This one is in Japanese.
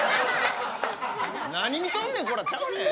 「何見とんねんこら」ちゃうで。